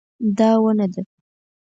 دا ونه ده